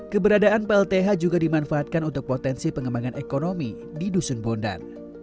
keberadaan plth juga dimanfaatkan untuk potensi pengembangan ekonomi di dusun bondan